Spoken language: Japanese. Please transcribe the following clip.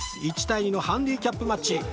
１対２のハンディキャップマッチ